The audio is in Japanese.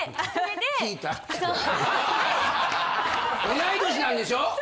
同い年なんでしょ？